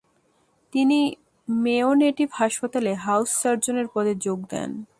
তিনি Mayo native হাসপাতালে house সার্জেনের পদে যোগ দেন।